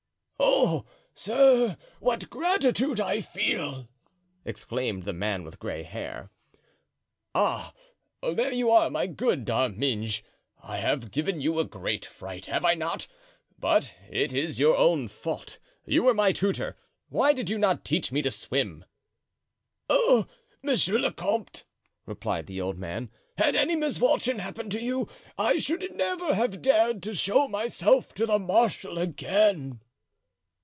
"Oh! sir, what gratitude I feel!" exclaimed the man with gray hair. "Ah, there you are, my good D'Arminges; I have given you a great fright, have I not? but it is your own fault. You were my tutor, why did you not teach me to swim?" "Oh, monsieur le comte," replied the old man, "had any misfortune happened to you, I should never have dared to show myself to the marshal again."